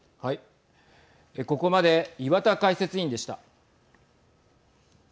ここまで岩田解説委員でした。